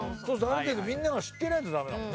ある程度みんなが知ってないと駄目だもんね。